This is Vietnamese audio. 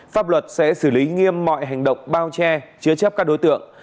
pháp luật sẽ xử lý nghiêm mọi hành động bao che chứa chấp các đối tượng